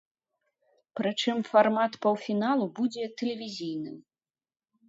Прычым фармат паўфіналу будзе тэлевізійным.